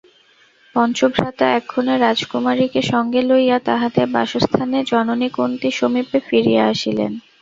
পঞ্চভ্রাতা এক্ষণে রাজকুমারীকে সঙ্গে লইয়া তাঁহাদের বাসস্থানে জননী কুন্তী সমীপে ফিরিয়া আসিলেন।